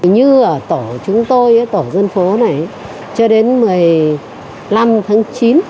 như ở tổ chúng tôi tổ dân phố này cho đến một mươi năm tháng chín